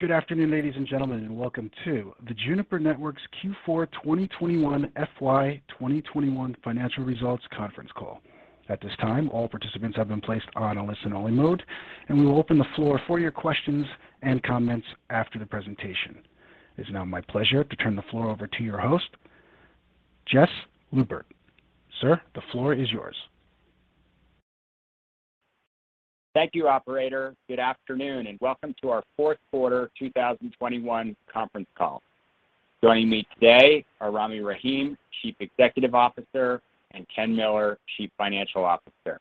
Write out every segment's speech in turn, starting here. Good afternoon, ladies and gentlemen, and welcome to the Juniper Networks Q4 2021 FY21 Financial Results Conference Call. At this time, all participants have been placed on a listen-only mode, and we will open the floor for your questions and comments after the presentation. It's now my pleasure to turn the floor over to your host, Jess Lubert. Sir, the floor is yours. Thank you, operator. Good afternoon, and welcome to our fourth quarter 2021 conference call. Joining me today are Rami Rahim, Chief Executive Officer, and Ken Miller, Chief Financial Officer.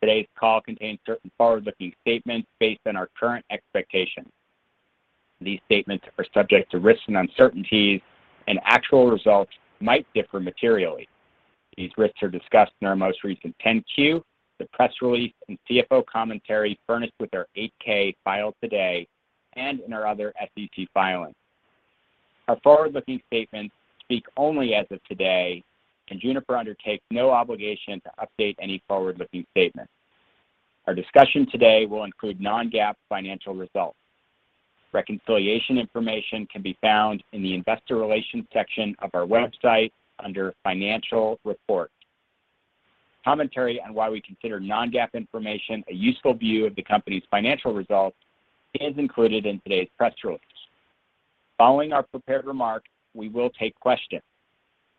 Today's call contains certain forward-looking statements based on our current expectations. These statements are subject to risks and uncertainties, and actual results might differ materially. These risks are discussed in our most recent 10-Q, the press release and CFO commentary furnished with our 8-K filed today and in our other SEC filings. Our forward-looking statements speak only as of today, and Juniper undertakes no obligation to update any forward-looking statements. Our discussion today will include non-GAAP financial results. Reconciliation information can be found in the investor relations section of our website under Financial Reports. Commentary on why we consider non-GAAP information a useful view of the company's financial results is included in today's press release. Following our prepared remarks, we will take questions.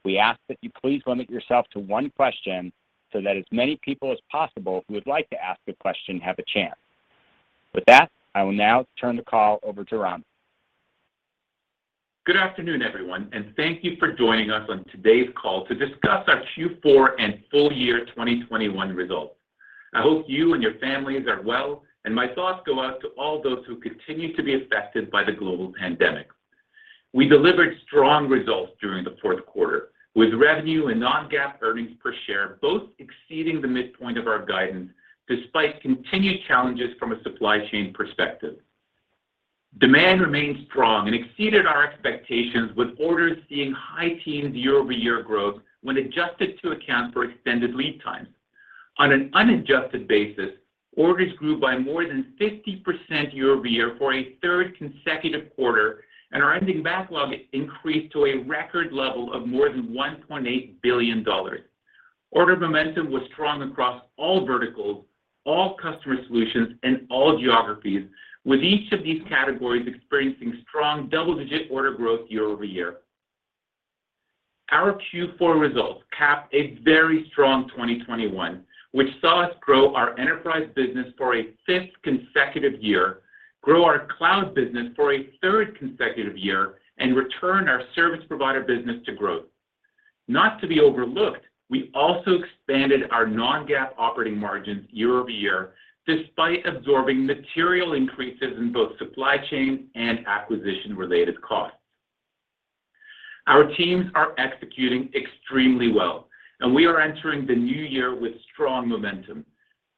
We ask that you please limit yourself to one question so that as many people as possible who would like to ask a question have a chance. With that, I will now turn the call over to Rami. Good afternoon, everyone, and thank you for joining us on today's call to discuss our Q4 and full year 2021 results. I hope you and your families are well, and my thoughts go out to all those who continue to be affected by the global pandemic. We delivered strong results during the fourth quarter, with revenue and non-GAAP earnings per share both exceeding the midpoint of our guidance despite continued challenges from a supply chain perspective. Demand remained strong and exceeded our expectations with orders seeing high-teens year-over-year growth when adjusted to account for extended lead times. On an unadjusted basis, orders grew by more than 50% year-over-year for a third consecutive quarter, and our ending backlog increased to a record level of more than $1.8 billion. Order momentum was strong across all verticals, all customer solutions, and all geographies, with each of these categories experiencing strong double-digit order growth year-over-year. Our Q4 results capped a very strong 2021, which saw us grow our enterprise business for a fifth consecutive year, grow our cloud business for a third consecutive year, and return our service provider business to growth. Not to be overlooked, we also expanded our non-GAAP operating margins year-over-year despite absorbing material increases in both supply chain and acquisition-related costs. Our teams are executing extremely well, and we are entering the new year with strong momentum.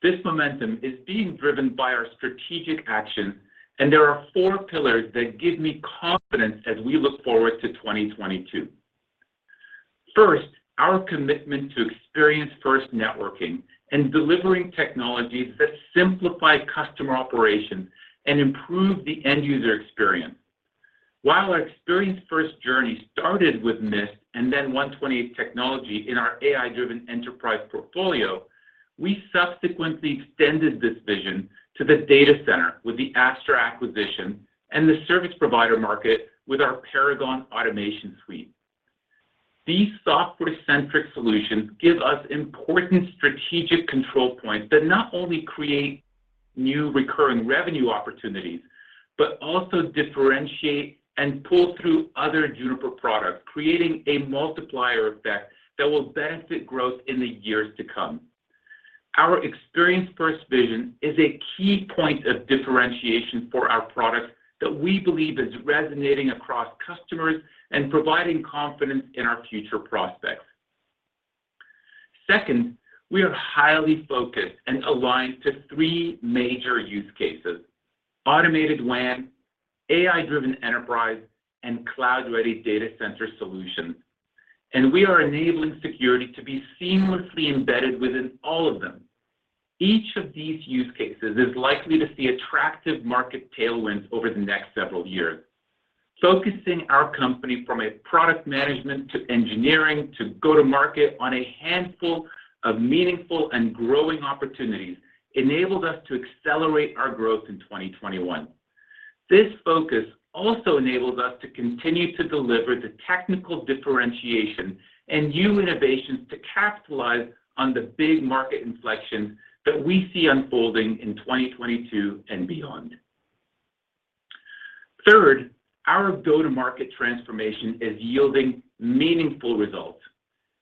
This momentum is being driven by our strategic actions, and there are four pillars that give me confidence as we look forward to 2022. First, our commitment to experience first networking and delivering technologies that simplify customer operations and improve the end user experience. While our experience first journey started with Mist and then 128 Technology in our AI-Driven Enterprise portfolio, we subsequently extended this vision to the data center with the Apstra acquisition and the service provider market with our Paragon automation suite. These software-centric solutions give us important strategic control points that not only create new recurring revenue opportunities but also differentiate and pull through other Juniper products, creating a multiplier effect that will benefit growth in the years to come. Our experience first vision is a key point of differentiation for our products that we believe is resonating across customers and providing confidence in our future prospects. Second, we are highly focused and aligned to three major use cases, Automated WAN, AI-Driven Enterprise, and Cloud-Ready Data Center solutions, and we are enabling security to be seamlessly embedded within all of them. Each of these use cases is likely to see attractive market tailwinds over the next several years. Focusing our company from a product management to engineering to go to market on a handful of meaningful and growing opportunities enabled us to accelerate our growth in 2021. This focus also enables us to continue to deliver the technical differentiation and new innovations to capitalize on the big market inflection that we see unfolding in 2022 and beyond. Third, our go-to-market transformation is yielding meaningful results.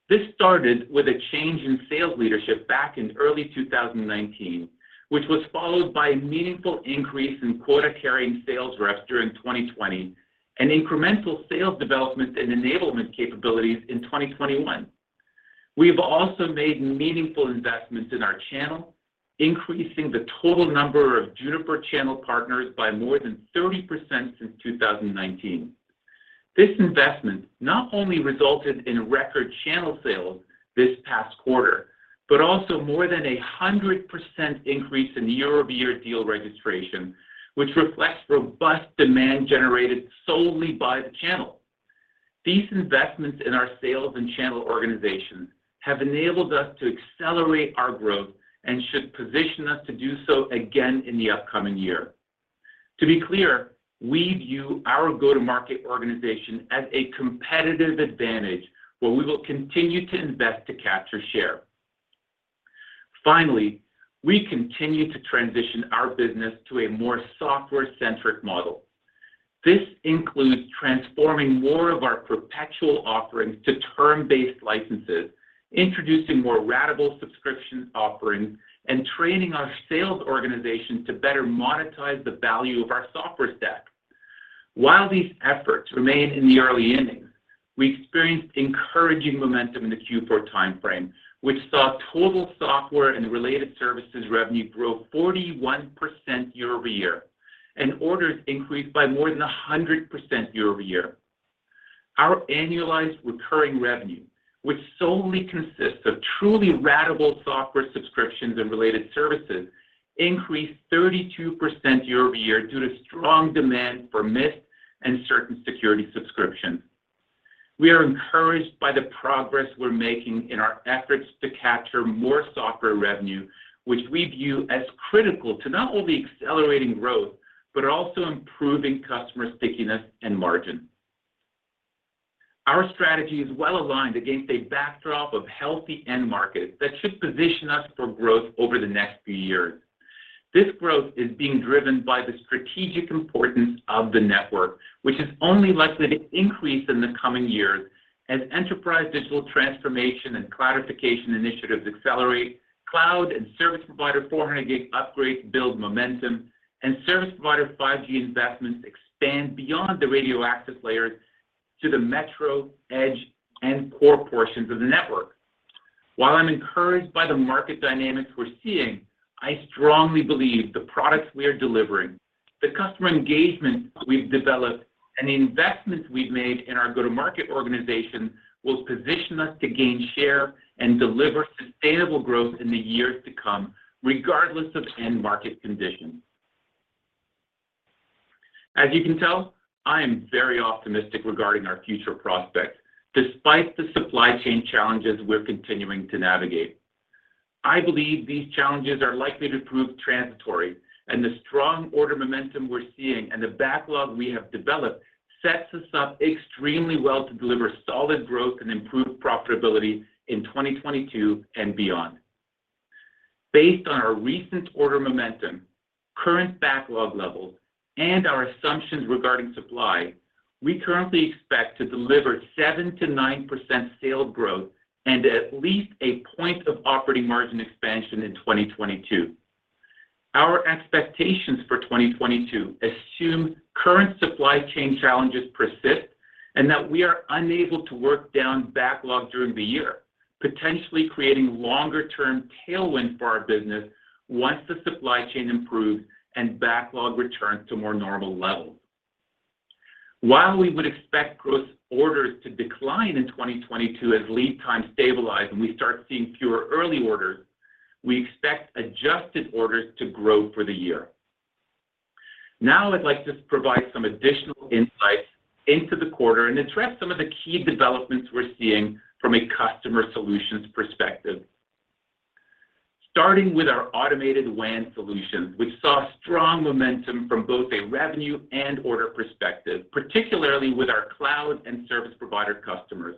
This started with a change in sales leadership back in early 2019, which was followed by a meaningful increase in quota-carrying sales reps during 2020 and incremental sales development and enablement capabilities in 2021. We have also made meaningful investments in our channel, increasing the total number of Juniper channel partners by more than 30% since 2019. This investment not only resulted in record channel sales this past quarter but also more than 100% increase in year-over-year deal registration, which reflects robust demand generated solely by the channel. These investments in our sales and channel organization have enabled us to accelerate our growth and should position us to do so again in the upcoming year. To be clear, we view our go-to-market organization as a competitive advantage where we will continue to invest to capture share. Finally, we continue to transition our business to a more software-centric model. This includes transforming more of our perpetual offerings to term-based licenses, introducing more ratable subscription offerings, and training our sales organization to better monetize the value of our software stack. While these efforts remain in the early innings, we experienced encouraging momentum in the Q4 timeframe, which saw total software and related services revenue grow 41% year-over-year and orders increased by more than 100% year-over-year. Our annualized recurring revenue, which solely consists of truly ratable software subscriptions and related services, increased 32% year-over-year due to strong demand for Mist and certain security subscriptions. We are encouraged by the progress we're making in our efforts to capture more software revenue, which we view as critical to not only accelerating growth, but also improving customer stickiness and margin. Our strategy is well aligned against a backdrop of healthy end markets that should position us for growth over the next few years. This growth is being driven by the strategic importance of the network, which is only likely to increase in the coming years as enterprise digital transformation and cloudification initiatives accelerate, cloud and service provider 400G upgrades build momentum, and service provider 5G investments expand beyond the radio access layers to the metro, edge, and core portions of the network. While I'm encouraged by the market dynamics we're seeing, I strongly believe the products we are delivering, the customer engagement we've developed, and the investments we've made in our go-to-market organization will position us to gain share and deliver sustainable growth in the years to come, regardless of end market conditions. As you can tell, I am very optimistic regarding our future prospects despite the supply chain challenges we're continuing to navigate. I believe these challenges are likely to prove transitory, and the strong order momentum we're seeing and the backlog we have developed sets us up extremely well to deliver solid growth and improved profitability in 2022 and beyond. Based on our recent order momentum, current backlog levels, and our assumptions regarding supply, we currently expect to deliver 7%-9% sales growth and at least a point of operating margin expansion in 2022. Our expectations for 2022 assume current supply chain challenges persist and that we are unable to work down backlog during the year, potentially creating longer-term tailwind for our business once the supply chain improves and backlog returns to more normal levels. While we would expect gross orders to decline in 2022 as lead time stabilize and we start seeing fewer early orders, we expect adjusted orders to grow for the year. Now I'd like to provide some additional insights into the quarter and address some of the key developments we're seeing from a customer solutions perspective. Starting with our automated WAN solutions, we saw strong momentum from both a revenue and order perspective, particularly with our cloud and service provider customers.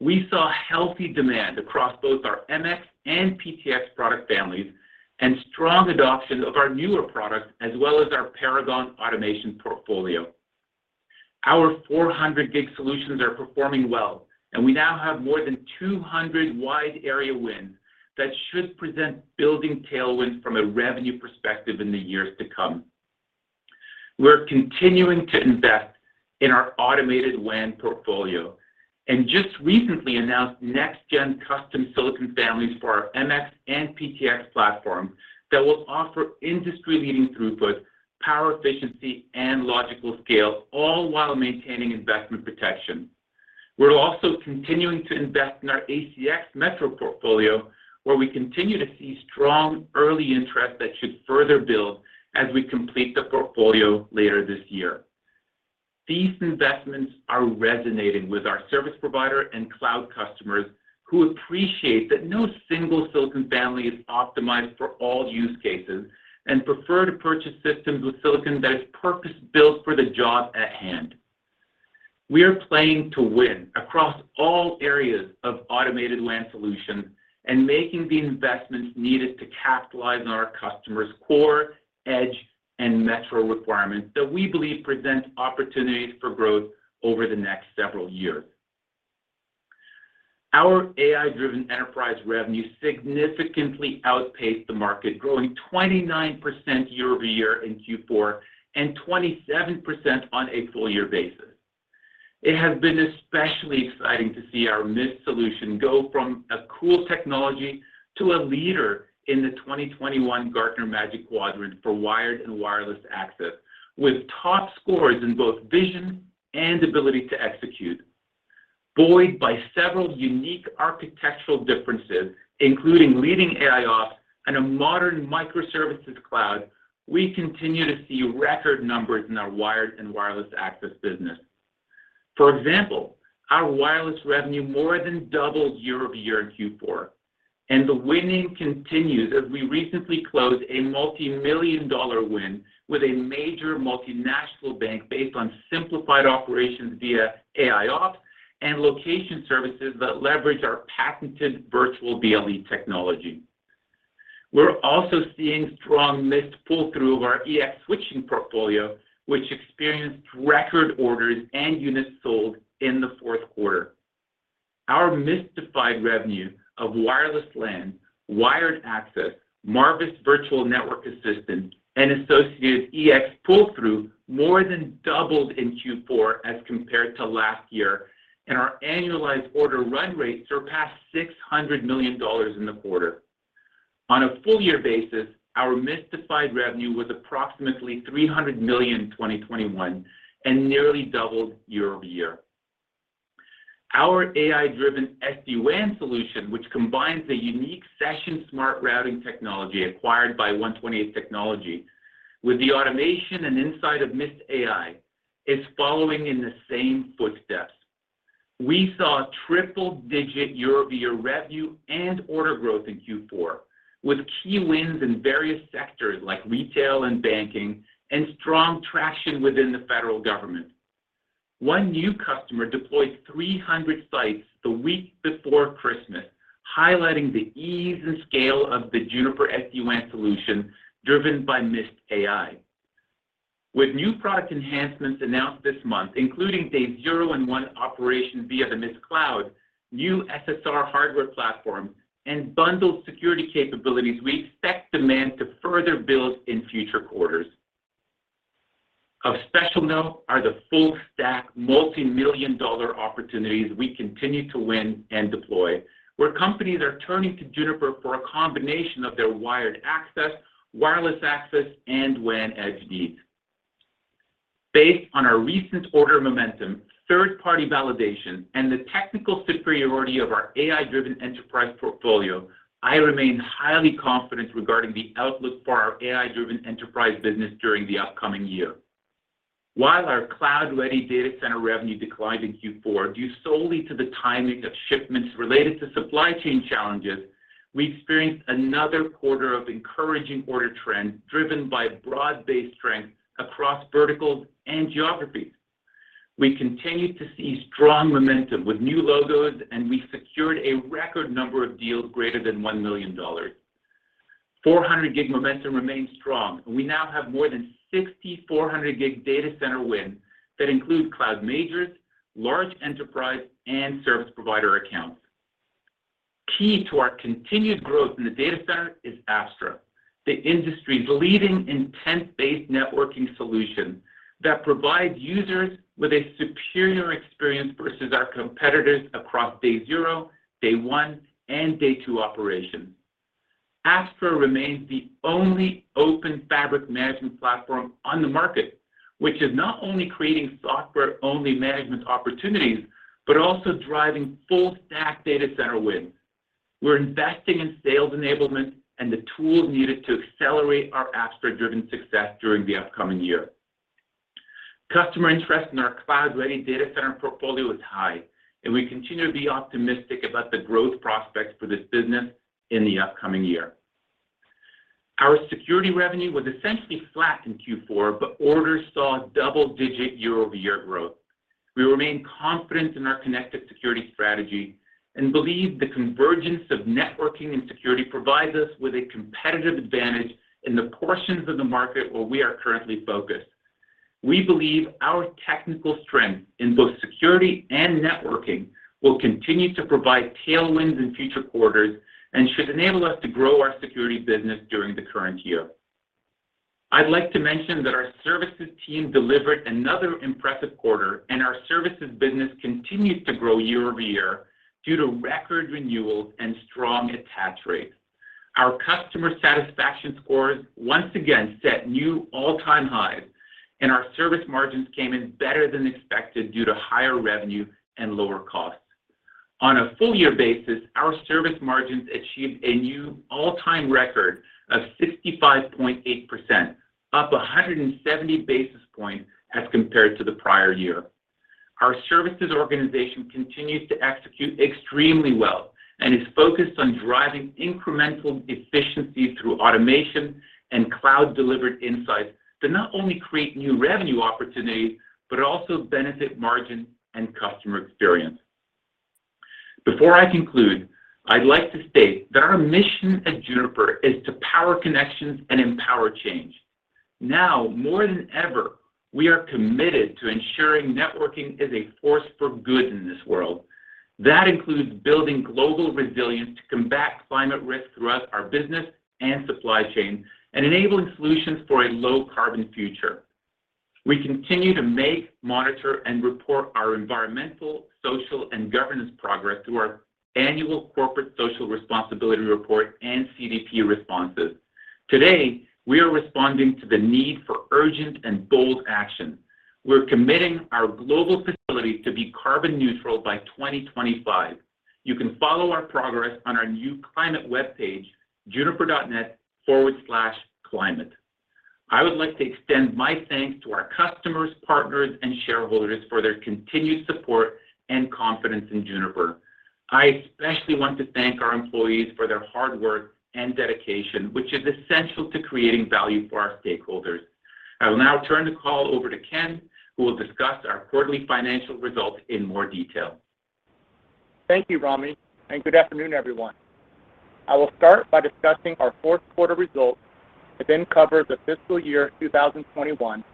We saw healthy demand across both our MX and PTX product families and strong adoption of our newer products as well as our Paragon automation portfolio. Our 400G solutions are performing well, and we now have more than 200 wide area wins that should present building tailwinds from a revenue perspective in the years to come. We're continuing to invest in our automated WAN portfolio and just recently announced next-gen custom silicon families for our MX and PTX platform that will offer industry-leading throughput, power efficiency, and logical scale all while maintaining investment protection. We're also continuing to invest in our ACX metro portfolio, where we continue to see strong early interest that should further build as we complete the portfolio later this year. These investments are resonating with our service provider and cloud customers who appreciate that no single silicon family is optimized for all use cases and prefer to purchase systems with silicon that is purpose-built for the job at hand. We are playing to win across all areas of Automated WAN Solutions and making the investments needed to capitalize on our customers' core, edge, and metro requirements that we believe present opportunities for growth over the next several years. Our AI-Driven Enterprise revenue significantly outpaced the market, growing 29% year-over-year in Q4 and 27% on a full year basis. It has been especially exciting to see our Mist solution go from a cool technology to a leader in the 2021 Gartner Magic Quadrant for wired and wireless access with top scores in both vision and ability to execute. Buoyed by several unique architectural differences, including leading AIOps and a modern microservices cloud, we continue to see record numbers in our wired and wireless access business. For example, our wireless revenue more than doubled year-over-year in Q4, and the winning continues as we recently closed a multi-million dollar win with a major multinational bank based on simplified operations via AIOps and location services that leverage our patented virtual BLE technology. We're also seeing strong Mist pull-through of our EX switching portfolio, which experienced record orders and units sold in the fourth quarter. Our Mistified revenue of wireless LAN, wired access, Marvis Virtual Network Assistant, and associated EX pull-through more than doubled in Q4 as compared to last year, and our annualized order run rate surpassed $600 million in the quarter. On a full year basis, our Mistified revenue was approximately $300 million in 2021 and nearly doubled year-over-year. Our AI-driven SD-WAN solution, which combines the unique Session Smart Routing technology acquired from 128 Technology with the automation and insight of Mist AI, is following in the same footsteps. We saw triple-digit year-over-year revenue and order growth in Q4, with key wins in various sectors like retail and banking and strong traction within the federal government. One new customer deployed 300 sites the week before Christmas, highlighting the ease and scale of the Juniper SD-WAN solution driven by Mist AI. With new product enhancements announced this month, including day zero and one operation via the Mist Cloud, new SSR hardware platform, and bundled security capabilities, we expect demand to further build in future quarters. Of special note are the full-stack multi-million dollar opportunities we continue to win and deploy, where companies are turning to Juniper for a combination of their wired access, wireless access, and WAN edge needs. Based on our recent order momentum, third-party validation, and the technical superiority of our AI-Driven Enterprise portfolio, I remain highly confident regarding the outlook for our AI-Driven Enterprise business during the upcoming year. While our Cloud-Ready Data Center revenue declined in Q4 due solely to the timing of shipments related to supply chain challenges, we experienced another quarter of encouraging order trends driven by broad-based strength across verticals and geographies. We continue to see strong momentum with new logos, and we secured a record number of deals greater than $1 million. 400G momentum remains strong, and we now have more than 64-port 400G data center wins that include cloud majors, large enterprise, and service provider accounts. Key to our continued growth in the data center is Apstra, the industry's leading intent-based networking solution that provides users with a superior experience versus our competitors across day zero, day one, and day two operations. Apstra remains the only open fabric management platform on the market, which is not only creating software-only management opportunities but also driving full-stack data center wins. We're investing in sales enablement and the tools needed to accelerate our Apstra-driven success during the upcoming year. Customer interest in our Cloud-Ready Data Center portfolio is high, and we continue to be optimistic about the growth prospects for this business in the upcoming year. Our security revenue was essentially flat in Q4, but orders saw double-digit year-over-year growth. We remain confident in our connected security strategy and believe the convergence of networking and security provides us with a competitive advantage in the portions of the market where we are currently focused. We believe our technical strength in both security and networking will continue to provide tailwinds in future quarters and should enable us to grow our security business during the current year. I'd like to mention that our services team delivered another impressive quarter, and our services business continues to grow year-over-year due to record renewals and strong attach rates. Our customer satisfaction scores once again set new all-time highs, and our service margins came in better than expected due to higher revenue and lower costs. On a full year basis, our service margins achieved a new all-time record of 65.8%, up 170 basis points as compared to the prior year. Our services organization continues to execute extremely well and is focused on driving incremental efficiencies through automation and cloud-delivered insights that not only create new revenue opportunities but also benefit margin and customer experience. Before I conclude, I'd like to state that our mission at Juniper is to power connections and empower change. Now more than ever, we are committed to ensuring networking is a force for good in this world. That includes building global resilience to combat climate risk throughout our business and supply chain and enabling solutions for a low-carbon future. We continue to make, monitor, and report our environmental, social, and governance progress through our annual corporate social responsibility report and CDP responses. Today, we are responding to the need for urgent and bold action. We're committing our global facilities to be carbon neutral by 2025. You can follow our progress on our new climate webpage, juniper.net/climate. I would like to extend my thanks to our customers, partners, and shareholders for their continued support and confidence in Juniper. I especially want to thank our employees for their hard work and dedication, which is essential to creating value for our stakeholders. I will now turn the call over to Ken, who will discuss our quarterly financial results in more detail. Thank you, Rami, and good afternoon, everyone. I will start by discussing our fourth quarter results and then cover the fiscal year 2021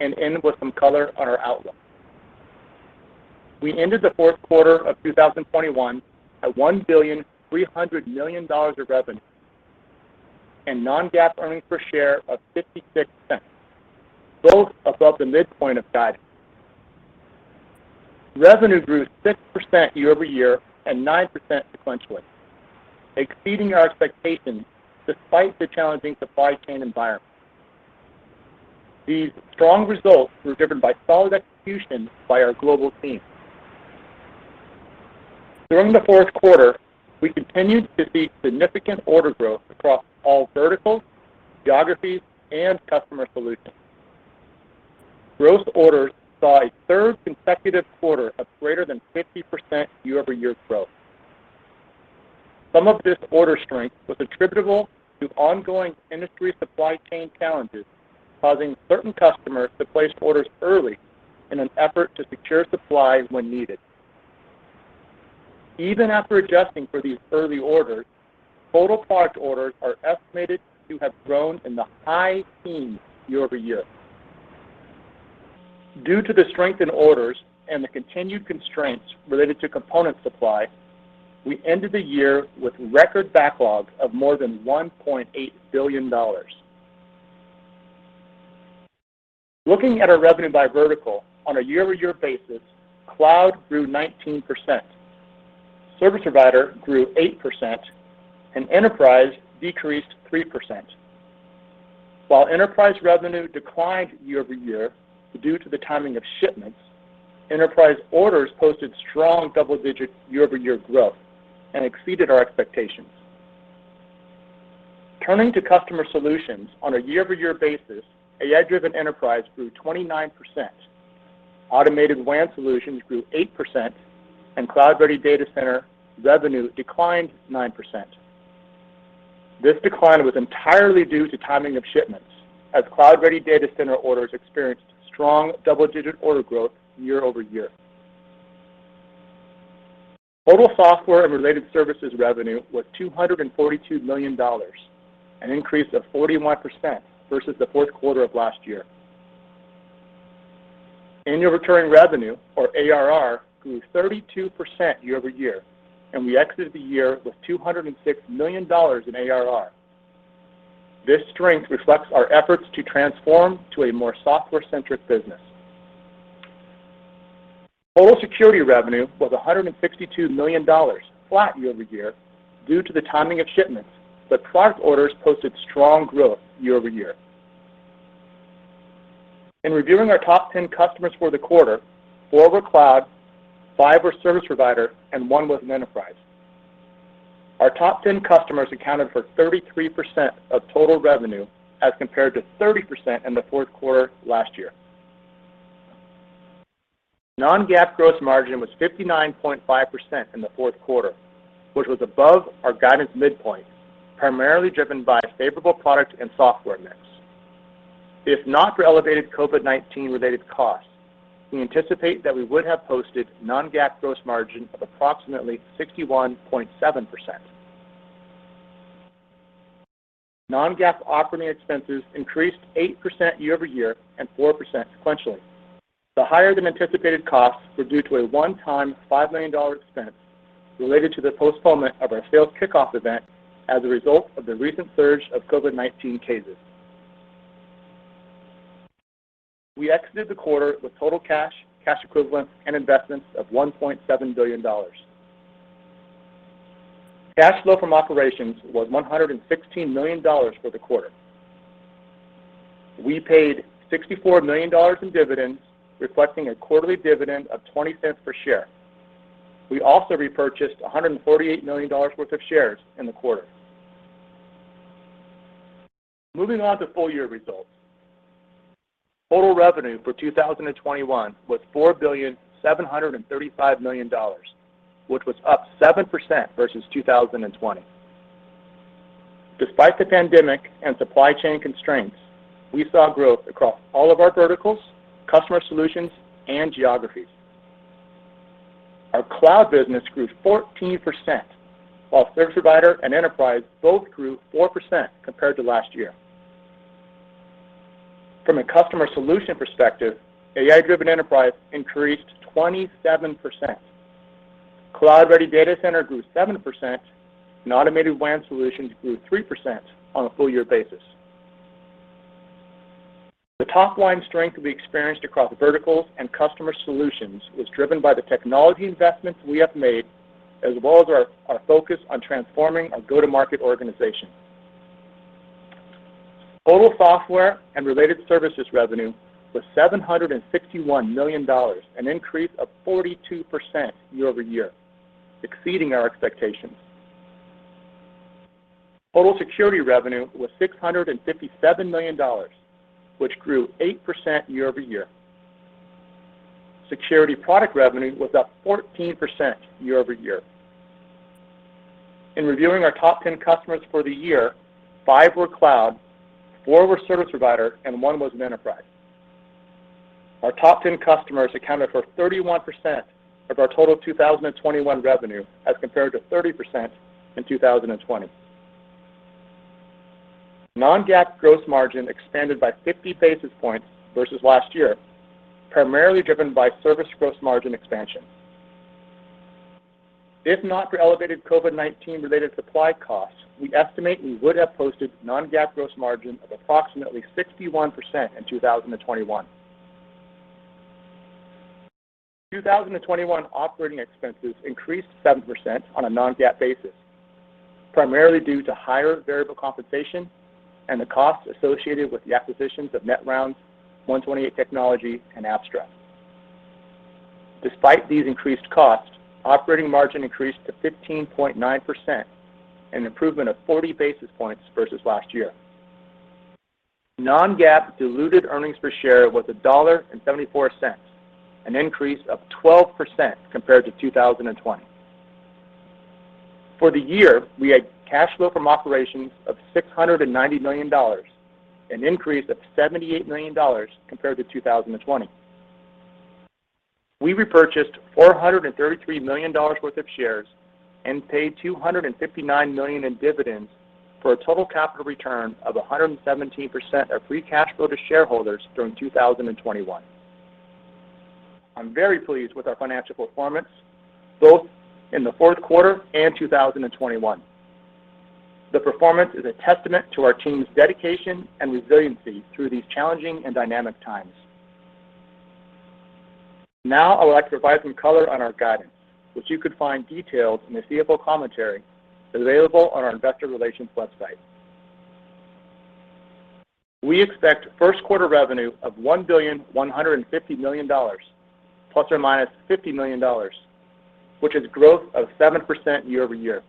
and end with some color on our outlook. We ended the fourth quarter of 2021 at $1.3 billion of revenue and non-GAAP earnings per share of $0.56, both above the midpoint of guidance. Revenue grew 6% year-over-year and 9% sequentially, exceeding our expectations despite the challenging supply chain environment. These strong results were driven by solid execution by our global team. During the fourth quarter, we continued to see significant order growth across all verticals, geographies, and customer solutions. Growth orders saw a third consecutive quarter of greater than 50% year-over-year growth. Some of this order strength was attributable to ongoing industry supply chain challenges, causing certain customers to place orders early in an effort to secure supplies when needed. Even after adjusting for these early orders, total product orders are estimated to have grown in the high-teens year-over-year. Due to the strength in orders and the continued constraints related to component supply, we ended the year with record backlogs of more than $1.8 billion. Looking at our revenue by vertical on a year-over-year basis, Cloud grew 19%, Service Provider grew 8%, and Enterprise decreased 3%. While enterprise revenue declined year-over-year due to the timing of shipments, enterprise orders posted strong double-digit year-over-year growth and exceeded our expectations. Turning to customer solutions on a year-over-year basis, AI-Driven Enterprise grew 29%, Automated WAN Solutions grew 8%, and Cloud-Ready Data Center revenue declined 9%. This decline was entirely due to timing of shipments as Cloud-Ready Data Center orders experienced strong double-digit order growth year-over-year. Total software and related services revenue was $242 million, an increase of 41% versus the fourth quarter of last year. Annual Recurring Revenue, or ARR, grew 32% year-over-year, and we exited the year with $206 million in ARR. This strength reflects our efforts to transform to a more software-centric business. Total security revenue was $162 million, flat year-over-year due to the timing of shipments, but product orders posted strong growth year-over-year. In reviewing our top 10 customers for the quarter, four were cloud, five were service provider, and one was an enterprise. Our top 10 customers accounted for 33% of total revenue as compared to 30% in the fourth quarter last year. Non-GAAP gross margin was 59.5% in the fourth quarter, which was above our guidance midpoint, primarily driven by favorable product and software mix. If not for elevated COVID-19 related costs, we anticipate that we would have posted non-GAAP gross margin of approximately 61.7%. Non-GAAP operating expenses increased 8% year-over-year and 4% sequentially. The higher than anticipated costs were due to a one-time $5 million expense related to the postponement of our sales kickoff event as a result of the recent surge of COVID-19 cases. We exited the quarter with total cash equivalents, and investments of $1.7 billion. Cash flow from operations was $116 million for the quarter. We paid $64 million in dividends, reflecting a quarterly dividend of $0.20 per share. We also repurchased $148 million worth of shares in the quarter. Moving on to full year results. Total revenue for 2021 was $4.735 billion, which was up 7% versus 2020. Despite the pandemic and supply chain constraints, we saw growth across all of our verticals, customer solutions, and geographies. Our cloud business grew 14%, while service provider and enterprise both grew 4% compared to last year. From a customer solution perspective, AI-Driven Enterprise increased 27%. Cloud-Ready Data Center grew 7%, and Automated WAN Solutions grew 3% on a full year basis. The top-line strength we experienced across verticals and customer solutions was driven by the technology investments we have made, as well as our focus on transforming our go-to-market organization. Total software and related services revenue was $761 million, an increase of 42% year-over-year, exceeding our expectations. Total security revenue was $657 million, which grew 8% year-over-year. Security product revenue was up 14% year-over-year. In reviewing our top 10 customers for the year, five were cloud, four were service provider, and one was an enterprise. Our top 10 customers accounted for 31% of our total 2021 revenue as compared to 30% in 2020. Non-GAAP gross margin expanded by 50 basis points versus last year, primarily driven by service gross margin expansion. If not for elevated COVID-19-related supply costs, we estimate we would have posted non-GAAP gross margin of approximately 61% in 2021. 2021 operating expenses increased 7% on a non-GAAP basis, primarily due to higher variable compensation and the costs associated with the acquisitions of Netrounds, 128 Technology, and Apstra. Despite these increased costs, operating margin increased to 15.9%, an improvement of 40 basis points versus last year. Non-GAAP diluted earnings per share was $1.74, an increase of 12% compared to 2020. For the year, we had cash flow from operations of $690 million, an increase of $78 million compared to 2020. We repurchased $433 million worth of shares and paid $259 million in dividends for a total capital return of 117% of free cash flow to shareholders during 2021. I'm very pleased with our financial performance, both in the fourth quarter and 2021. The performance is a testament to our team's dedication and resiliency through these challenging and dynamic times. Now, I would like to provide some color on our guidance, which you could find detailed in the CFO commentary that is available on our investor relations website. We expect first quarter revenue of $1.15 billion, ±$50 million, which is growth of 7% year-over-year.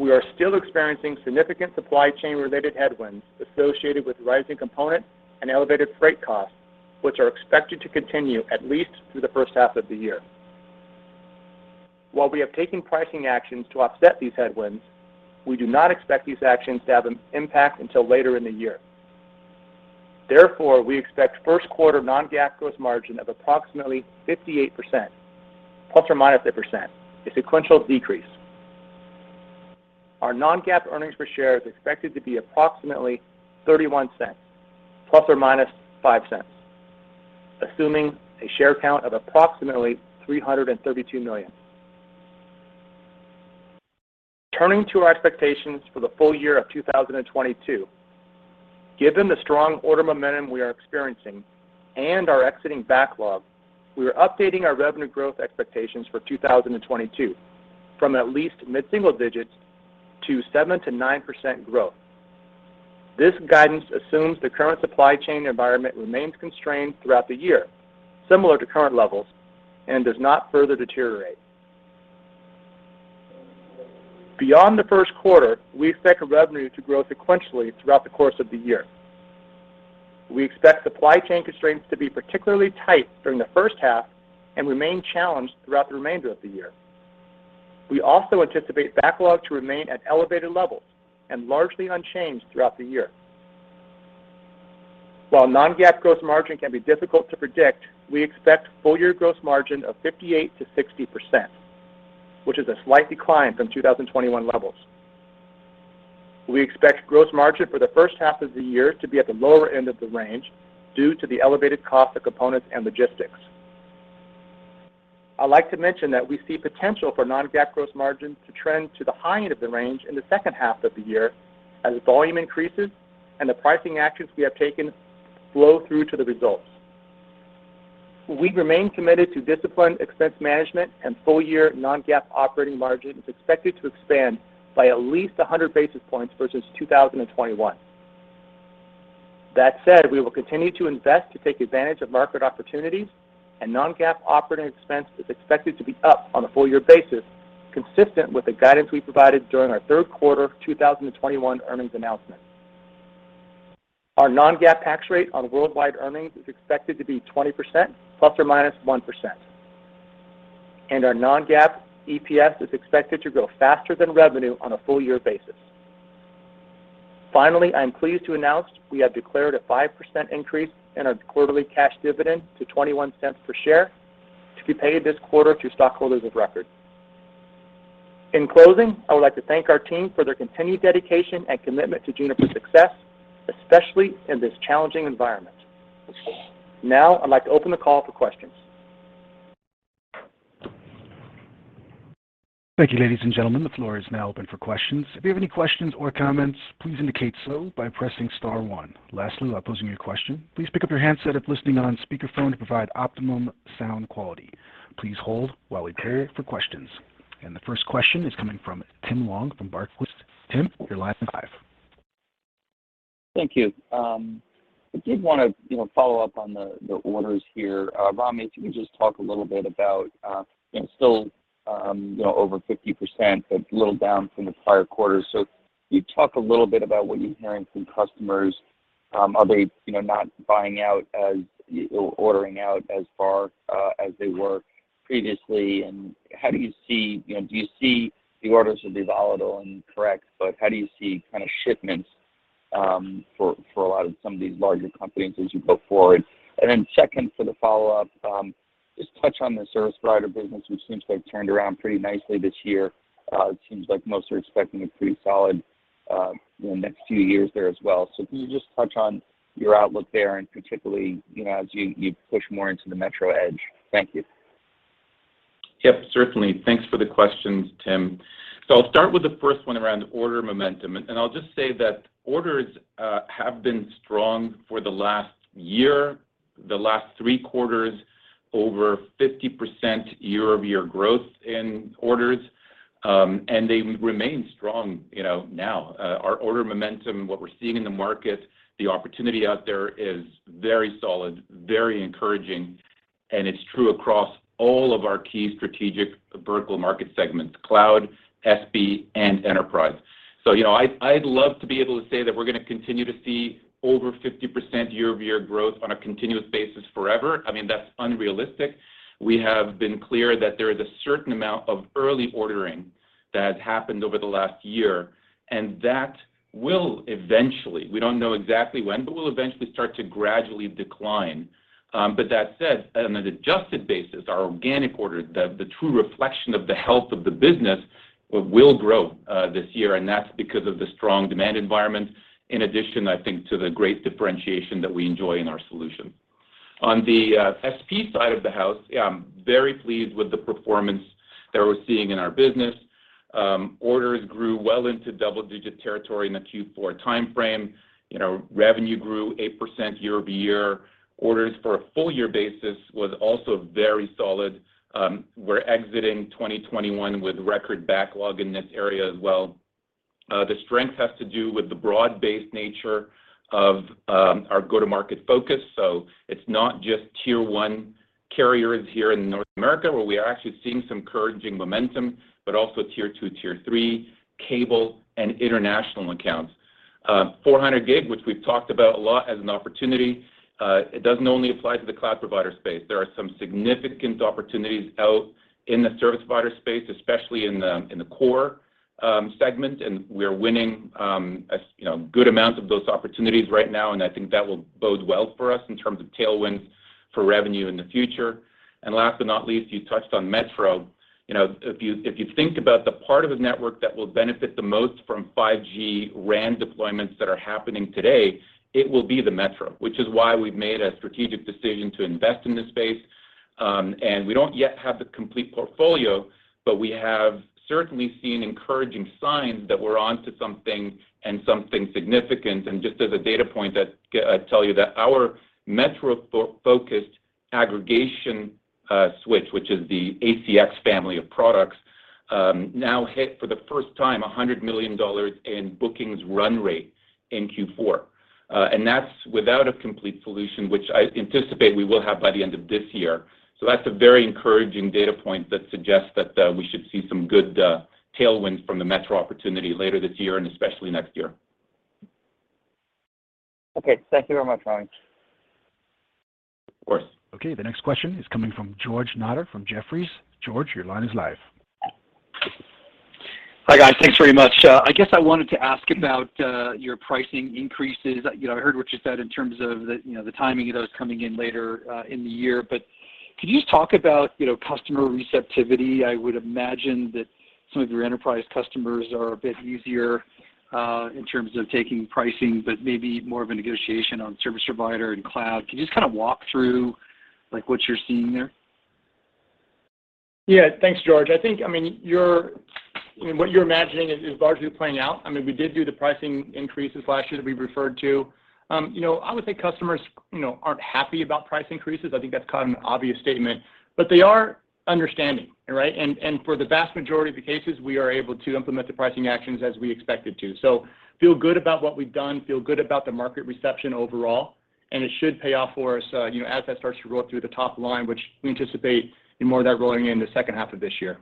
We are still experiencing significant supply chain-related headwinds associated with rising component and elevated freight costs, which are expected to continue at least through the first half of the year. While we have taken pricing actions to offset these headwinds, we do not expect these actions to have an impact until later in the year. Therefore, we expect first quarter non-GAAP gross margin of approximately 58%, ±1%, a sequential decrease. Our non-GAAP earnings per share is expected to be approximately $0.31, ±$0.05, assuming a share count of approximately 332 million. Turning to our expectations for the full year of 2022. Given the strong order momentum we are experiencing and our existing backlog, we are updating our revenue growth expectations for 2022 from at least mid-single digits to 7%-9% growth. This guidance assumes the current supply chain environment remains constrained throughout the year, similar to current levels, and does not further deteriorate. Beyond the first quarter, we expect revenue to grow sequentially throughout the course of the year. We expect supply chain constraints to be particularly tight during the first half and remain challenged throughout the remainder of the year. We also anticipate backlog to remain at elevated levels and largely unchanged throughout the year. While non-GAAP gross margin can be difficult to predict, we expect full-year gross margin of 58%-60%, which is a slight decline from 2021 levels. We expect gross margin for the first half of the year to be at the lower end of the range due to the elevated cost of components and logistics. I'd like to mention that we see potential for non-GAAP gross margin to trend to the high end of the range in the second half of the year as volume increases and the pricing actions we have taken flow through to the results. We remain committed to disciplined expense management and full-year non-GAAP operating margin is expected to expand by at least 100 basis points versus 2021. That said, we will continue to invest to take advantage of market opportunities and non-GAAP operating expense is expected to be up on a full-year basis, consistent with the guidance we provided during our third quarter 2021 earnings announcement. Our non-GAAP tax rate on worldwide earnings is expected to be 20% ±1%, and our non-GAAP EPS is expected to grow faster than revenue on a full-year basis. Finally, I am pleased to announce we have declared a 5% increase in our quarterly cash dividend to $0.21 per share to be paid this quarter to stockholders of record. In closing, I would like to thank our team for their continued dedication and commitment to Juniper's success, especially in this challenging environment. Now, I'd like to open the call for questions. Thank you, ladies and gentlemen. The floor is now open for questions. If you have any questions or comments, please indicate so by pressing star one. Lastly, while posing your question, please pick up your handset if listening on speakerphone to provide optimum sound quality. Please hold while we prepare for questions. The first question is coming from Tim Long from Barclays. Tim, you're your line is live Thank you. I did want to, you know, follow up on the orders here. Rami, if you could just talk a little bit about, you know, still over 50% but a little down from the prior quarter. Can you talk a little bit about what you're hearing from customers? Are they, you know, not buying out as, or ordering out as far as they were previously? And how do you see, you know, do you see the orders will be volatile and correct, but how do you see kinda shipments for a lot of some of these larger companies as you go forward? Then second for the follow-up, just touch on the service provider business, which seems to have turned around pretty nicely this year. It seems like most are expecting a pretty solid in the next few years there as well. Can you just touch on your outlook there and particularly, you know, as you push more into the metro edge? Thank you. Yep, certainly. Thanks for the questions, Tim. I'll start with the first one around order momentum. I'll just say that orders have been strong for the last year, the last three quarters over 50% year-over-year growth in orders, and they remain strong, you know, now. Our order momentum, what we're seeing in the market, the opportunity out there is very solid, very encouraging, and it's true across all of our key strategic vertical market segments, cloud, SP, and enterprise. You know, I'd love to be able to say that we're going to continue to see over 50% year-over-year growth on a continuous basis forever. I mean, that's unrealistic. We have been clear that there is a certain amount of early ordering that has happened over the last year, and that will eventually, we don't know exactly when, but will eventually start to gradually decline. That said, on an adjusted basis, our organic orders, the true reflection of the health of the business will grow this year, and that's because of the strong demand environment in addition, I think, to the great differentiation that we enjoy in our solution. On the SP side of the house, yeah, I'm very pleased with the performance that we're seeing in our business. Orders grew well into double-digit territory in the Q4 timeframe. You know, revenue grew 8% year-over-year. Orders for a full year basis was also very solid. We're exiting 2021 with record backlog in this area as well. The strength has to do with the broad-based nature of our go-to-market focus. It's not just tier one carriers here in North America where we are actually seeing some encouraging momentum, but also tier two, tier three cable and international accounts. 400G, which we've talked about a lot as an opportunity, it doesn't only apply to the cloud provider space. There are some significant opportunities out in the service provider space, especially in the core segment. We're winning a you know good amount of those opportunities right now, and I think that will bode well for us in terms of tailwinds for revenue in the future. Last but not least, you touched on metro. You know, if you think about the part of a network that will benefit the most from 5G RAN deployments that are happening today, it will be the metro, which is why we've made a strategic decision to invest in this space. We don't yet have the complete portfolio, but we have certainly seen encouraging signs that we're onto something and something significant. Just as a data point, I'd tell you that our metro focused aggregation switch, which is the ACX family of products, now hit for the first time $100 million in bookings run rate in Q4. That's without a complete solution, which I anticipate we will have by the end of this year. That's a very encouraging data point that suggests that we should see some good tailwinds from the metro opportunity later this year and especially next year. Okay. Thank you very much, Rami. Of course. Okay. The next question is coming from George Notter from Jefferies. George, your line is live. Hi, guys. Thanks very much. I guess I wanted to ask about your pricing increases. You know, I heard what you said in terms of the, you know, the timing of those coming in later in the year. Could you just talk about, you know, customer receptivity? I would imagine that some of your enterprise customers are a bit easier in terms of taking pricing, but maybe more of a negotiation on service provider and cloud. Can you just kinda walk through, like, what you're seeing there? Yeah. Thanks, George. I think, I mean, what you're imagining is largely playing out. I mean, we did do the pricing increases last year that we referred to. You know, I would say customers, you know, aren't happy about price increases. I think that's kind of an obvious statement. They are understanding, right? For the vast majority of the cases, we are able to implement the pricing actions as we expected to. Feel good about what we've done, feel good about the market reception overall, and it should pay off for us, you know, as that starts to roll through the top line, which we anticipate more of that rolling in the second half of this year.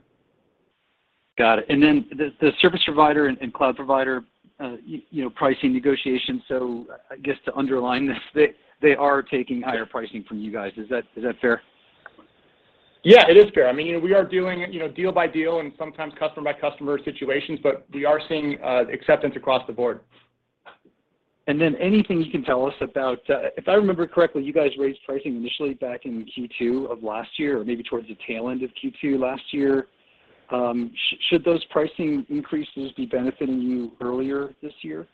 Got it. Then the service provider and cloud provider, you know, pricing negotiation, so I guess to underline this, they are taking higher pricing from you guys. Is that fair? Yeah, it is fair. I mean, you know, we are doing it, you know, deal by deal and sometimes customer by customer situations, but we are seeing acceptance across the board. Anything you can tell us about if I remember correctly, you guys raised pricing initially back in Q2 of last year or maybe towards the tail end of Q2 last year. Should those pricing increases be benefiting you earlier this year?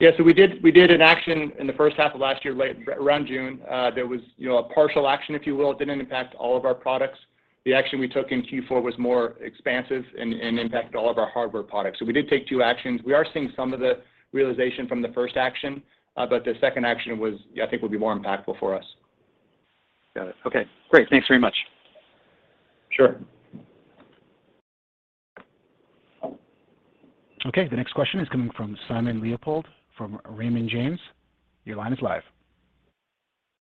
Yeah, we did an action in the first half of last year around June. There was, you know, a partial action, if you will. It didn't impact all of our products. The action we took in Q4 was more expansive and impacted all of our hardware products. We did take two actions. We are seeing some of the realization from the first action, but the second action was, yeah, I think will be more impactful for us. Got it. Okay, great. Thanks very much. Sure. Okay. The next question is coming from Simon Leopold from Raymond James. Your line is live.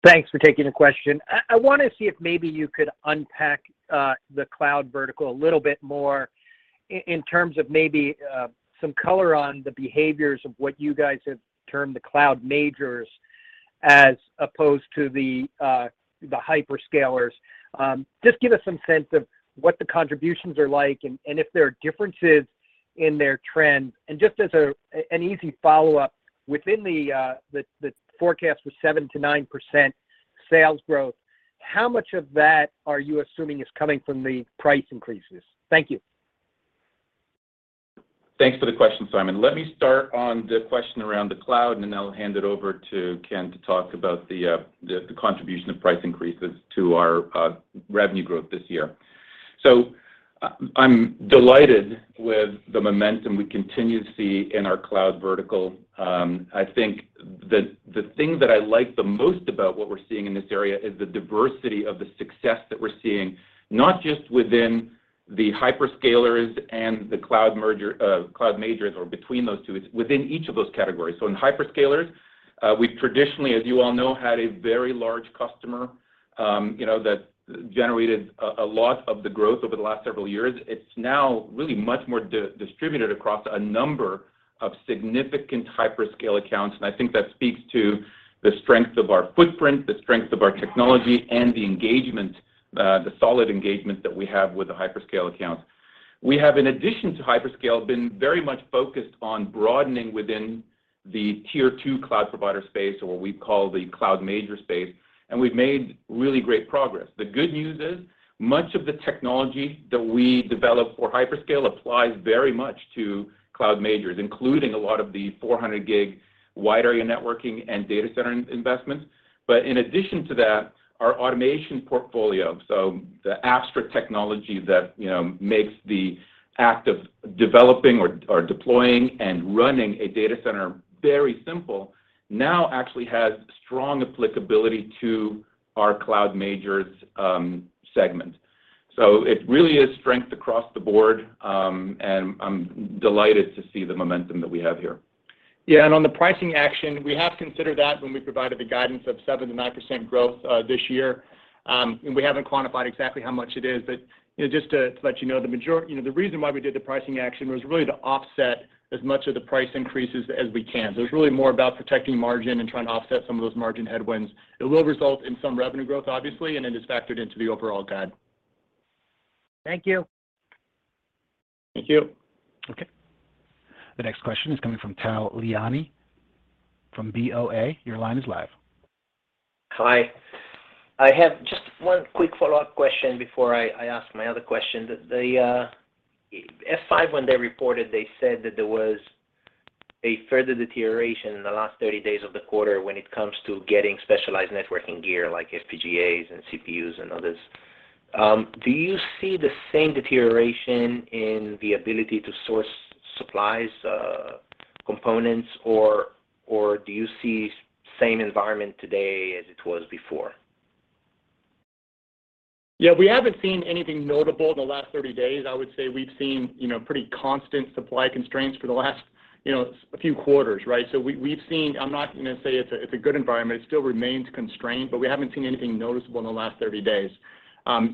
Thanks for taking the question. I wanna see if maybe you could unpack the cloud vertical a little bit more in terms of maybe some color on the behaviors of what you guys have termed the cloud majors as opposed to the hyperscalers. Just give us some sense of what the contributions are like and if there are differences in their trend. Just as an easy follow-up, within the forecast for 7%-9% sales growth, how much of that are you assuming is coming from the price increases? Thank you. Thanks for the question, Simon. Let me start on the question around the cloud, and then I'll hand it over to Ken to talk about the contribution of price increases to our revenue growth this year. I'm delighted with the momentum we continue to see in our cloud vertical. I think the thing that I like the most about what we're seeing in this area is the diversity of the success that we're seeing, not just within the hyperscalers and the cloud majors or between those two. It's within each of those categories. In hyperscalers, we traditionally, as you all know, had a very large customer, you know, that generated a lot of the growth over the last several years. It's now really much more distributed across a number of significant hyperscale accounts, and I think that speaks to the strength of our footprint, the strength of our technology, and the engagement, the solid engagement that we have with the hyperscale accounts. We have, in addition to hyperscale, been very much focused on broadening within the tier two cloud provider space or what we call the cloud major space, and we've made really great progress. The good news is much of the technology that we develop for hyperscale applies very much to cloud majors, including a lot of the 400 gig wide area networking and data center investments. In addition to that, our automation portfolio, so the Apstra technology that, you know, makes the act of developing or deploying and running a data center very simple now actually has strong applicability to our cloud majors segment. It really is strength across the board, and I'm delighted to see the momentum that we have here. Yeah, on the pricing action, we have considered that when we provided the guidance of 7%-9% growth this year. We haven't quantified exactly how much it is, but, you know, just to let you know, the majority. You know, the reason why we did the pricing action was really to offset as much of the price increases as we can. It's really more about protecting margin and trying to offset some of those margin headwinds. It will result in some revenue growth, obviously, and it is factored into the overall guide. Thank you. Thank you. Okay. The next question is coming from Tal Liani from Bank of America Securities. Your line is live. Hi. I have just one quick follow-up question before I ask my other question. F5 when they reported, they said that there was a further deterioration in the last 30 days of the quarter when it comes to getting specialized networking gear like FPGAs and CPUs and others. Do you see the same deterioration in the ability to source supplies, components or do you see same environment today as it was before? Yeah, we haven't seen anything notable in the last 30 days. I would say we've seen, you know, pretty constant supply constraints for the last, you know, a few quarters, right? We've seen. I'm not gonna say it's a good environment. It still remains constrained, but we haven't seen anything noticeable in the last 30 days.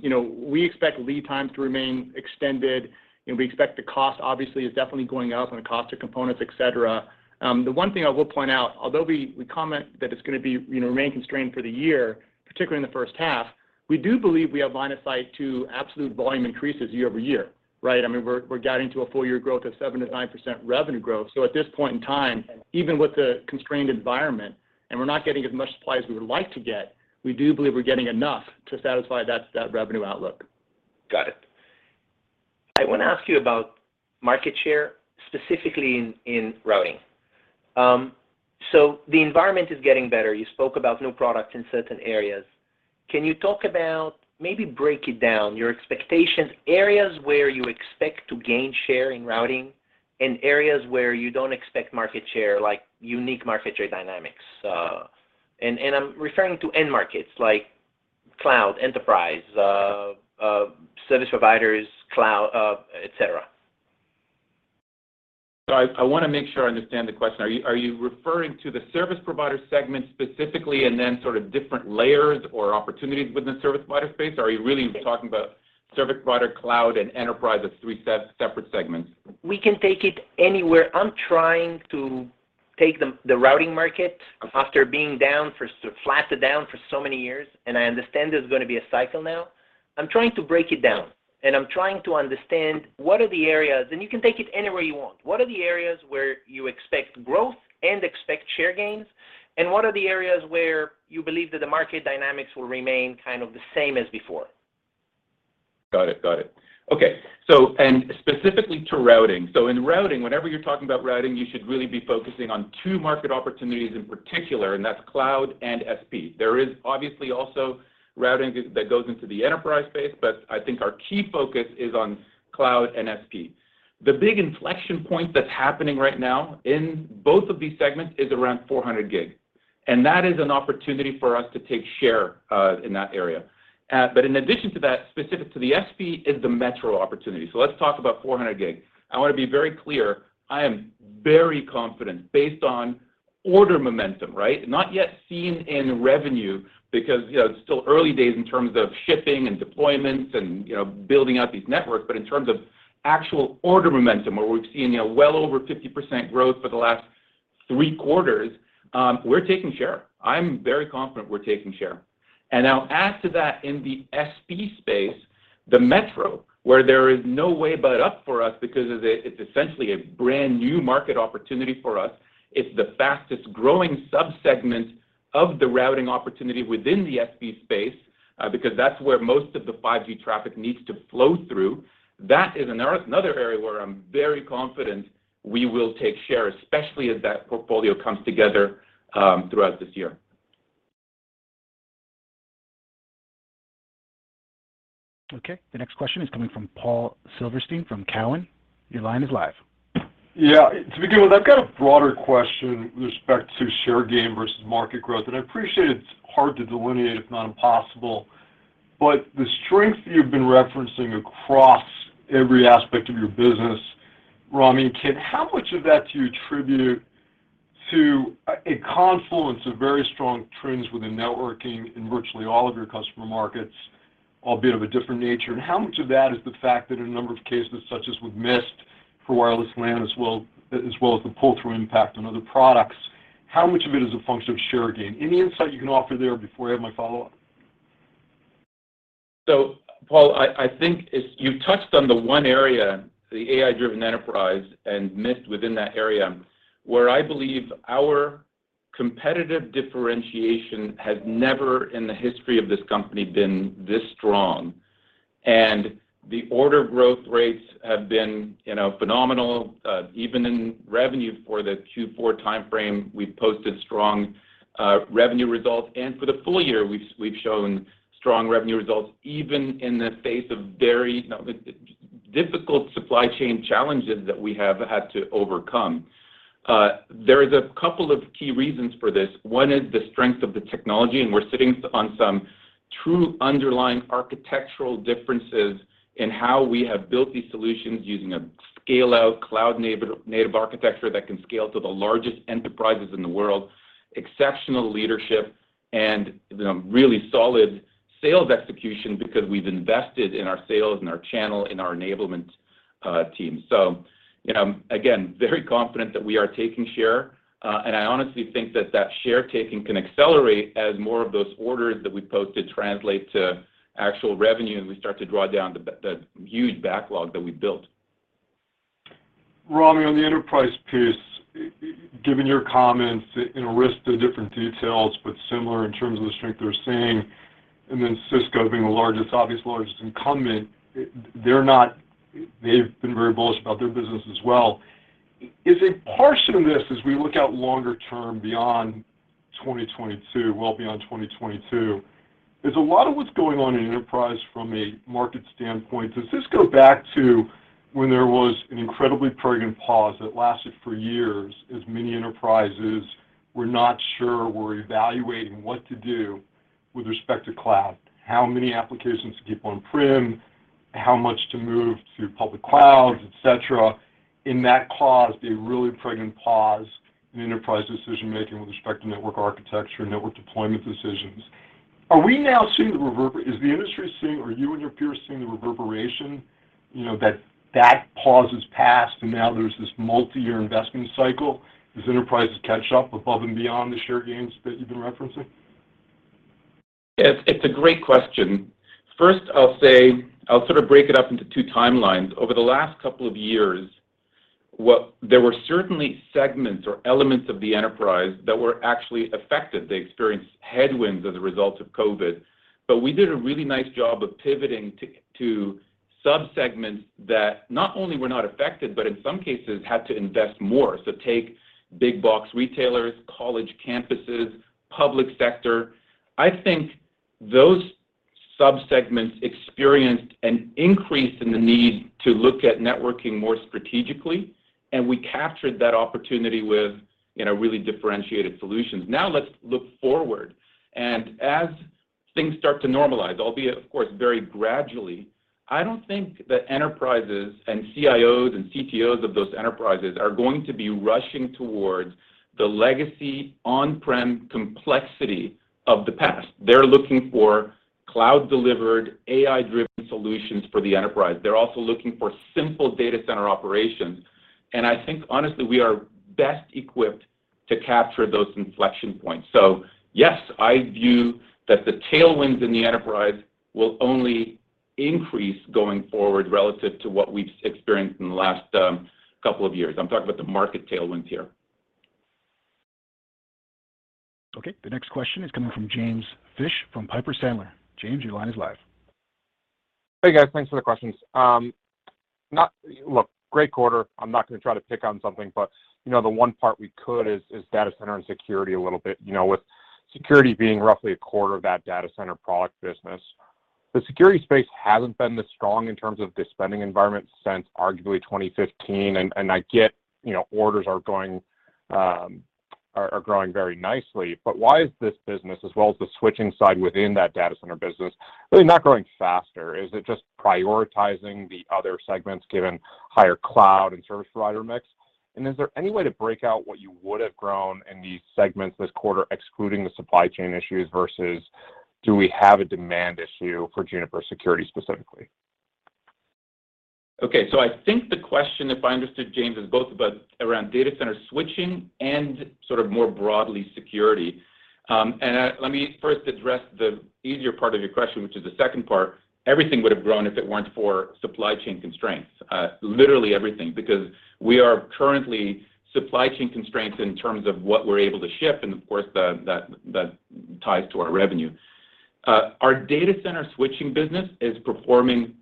You know, we expect lead times to remain extended, and we expect the cost, obviously, is definitely going up on the cost of components, et cetera. The one thing I will point out, although we comment that it's gonna be, you know, remain constrained for the year, particularly in the first half, we do believe we have line of sight to absolute volume increases year-over-year, right? I mean, we're guiding to a full year growth of 7%-9% revenue growth. At this point in time, even with the constrained environment, and we're not getting as much supply as we would like to get, we do believe we're getting enough to satisfy that revenue outlook. Got it. I want to ask you about market share, specifically in routing. The environment is getting better. You spoke about new products in certain areas. Can you talk about, maybe break it down, your expectations, areas where you expect to gain share in routing and areas where you don't expect market share, like unique market share dynamics? I'm referring to end markets like cloud, enterprise, service providers, cloud, et cetera. I wanna make sure I understand the question. Are you referring to the service provider segment specifically and then sort of different layers or opportunities within the service provider space? Or are you really talking about service provider cloud and enterprise as three separate segments? We can take it anywhere. I'm trying to take the routing market after being flat to down for so many years, and I understand there's gonna be a cycle now. I'm trying to break it down, and I'm trying to understand what are the areas, and you can take it anywhere you want. What are the areas where you expect growth and expect share gains, and what are the areas where you believe that the market dynamics will remain kind of the same as before? Got it. Okay. Specifically to routing. In routing, whenever you're talking about routing, you should really be focusing on two market opportunities in particular, and that's cloud and SP. There is obviously also routing that goes into the enterprise space, but I think our key focus is on cloud and SP. The big inflection point that's happening right now in both of these segments is around 400G. That is an opportunity for us to take share in that area. In addition to that, specific to the SP is the metro opportunity. Let's talk about 400G. I want to be very clear, I am very confident based on order momentum, right? Not yet seen in revenue because, you know, it's still early days in terms of shipping and deployments and, you know, building out these networks. In terms of actual order momentum, where we've seen, you know, well over 50% growth for the last three quarters, we're taking share. I'm very confident we're taking share. I'll add to that in the SP space, the metro, where there is no way but up for us because it's essentially a brand-new market opportunity for us. It's the fastest-growing subsegment of the routing opportunity within the SP space, because that's where most of the 5G traffic needs to flow through. That is another area where I'm very confident we will take share, especially as that portfolio comes together, throughout this year. Okay. The next question is coming from Paul Silverstein from Cowen and Company. Your line is live. Yeah. To begin with, I've got a broader question with respect to share gain versus market growth. I appreciate it's hard to delineate, if not impossible. The strength you've been referencing across every aspect of your business, Rami, how much of that do you attribute to a confluence of very strong trends within networking in virtually all of your customer markets, albeit of a different nature? How much of that is the fact that in a number of cases, such as with Mist for wireless LAN, as well as the pull-through impact on other products, how much of it is a function of share gain? Any insight you can offer there before I have my follow-up? Paul, I think you touched on the one area, the AI-Driven Enterprise and Mist within that area, where I believe our competitive differentiation has never in the history of this company been this strong. The order growth rates have been, you know, phenomenal, even the revenue for Q4 timeframe. We've posted strong revenue results. For the full year, we've shown strong revenue results, even in the face of very, you know, difficult supply chain challenges that we have had to overcome. There is a couple of key reasons for this. One is the strength of the technology, and we're sitting on some true underlying architectural differences in how we have built these solutions using a scale-out cloud native architecture that can scale to the largest enterprises in the world, exceptional leadership and, you know, really solid sales execution because we've invested in our sales and our channel and our enablement team. You know, again, very confident that we are taking share. I honestly think that that share taking can accelerate as more of those orders that we posted translate to actual revenue, and we start to draw down the huge backlog that we've built. Rami, on the enterprise piece, given your comments with respect to different details, but similar in terms of the strength they're seeing, and then Cisco being the largest, obviously the largest incumbent, they've been very bullish about their business as well. Is a portion of this as we look out longer term beyond 2022, well beyond 2022, a lot of what's going on in enterprise from a market standpoint, does this go back to when there was an incredibly pregnant pause that lasted for years as many enterprises were not sure, were evaluating what to do with respect to cloud, how many applications to keep on-prem, how much to move to public clouds, et cetera, and that caused a really pregnant pause in enterprise decision-making with respect to network architecture, network deployment decisions. Is the industry seeing or you and your peers seeing the reverberation, you know, that pause has passed and now there's this multi-year investment cycle as enterprises catch up above and beyond the share gains that you've been referencing? It's a great question. First, I'll say I'll sort of break it up into two timelines. Over the last couple of years, there were certainly segments or elements of the enterprise that were actually affected. They experienced headwinds as a result of COVID. We did a really nice job of pivoting to subsegments that not only were not affected, but in some cases had to invest more. Take big box retailers, college campuses, public sector. I think those subsegments experienced an increase in the need to look at networking more strategically, and we captured that opportunity with, you know, really differentiated solutions. Now let's look forward. As things start to normalize, albeit of course, very gradually, I don't think that enterprises and CIOs and CTOs of those enterprises are going to be rushing towards the legacy on-prem complexity of the past. They're looking for cloud-delivered, AI-driven solutions for the enterprise. They're also looking for simple data center operations. I think, honestly, we are best equipped to capture those inflection points. Yes, I view that the tailwinds in the enterprise will only increase going forward relative to what we've experienced in the last couple of years. I'm talking about the market tailwinds here. Okay, the next question is coming from James Fish from Piper Sandler. James, your line is live. Hey, guys. Thanks for the questions. Look, great quarter. I'm not gonna try to pick on something, but you know, the one part we could is data center and security a little bit. You know, with security being roughly a quarter of that data center product business. The security space hasn't been this strong in terms of the spending environment since arguably 2015. And I get, you know, orders are growing very nicely, but why is this business as well as the switching side within that data center business really not growing faster? Is it just prioritizing the other segments given higher cloud and service provider mix? And is there any way to break out what you would have grown in these segments this quarter excluding the supply chain issues versus do we have a demand issue for Juniper security specifically? Okay. I think the question, if I understood, James, is both about around data center switching and sort of more broadly security. Let me first address the easier part of your question, which is the second part. Everything would have grown if it weren't for supply chain constraints, literally everything, because we are currently supply-constrained in terms of what we're able to ship, and of course, that ties to our revenue. Our data center switching business is performing